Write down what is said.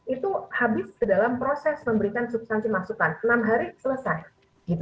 itu habis ke dalam proses memberikan substansi masukan enam hari selesai